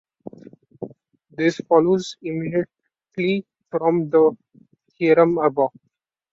This follows immediately from the theorem above.